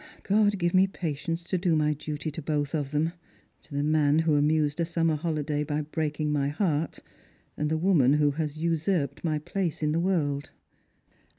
God give me patience to do my duty to both of them ; to the man who amused a summer hohday by breaking my heart, and the woman who has usurped my place in the world."